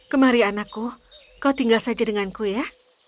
kemari anakku kau tinggal saja denganku ya